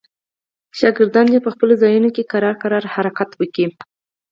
زده کوونکي په خپلو ځایونو کې ورو ورو حرکت وکړي.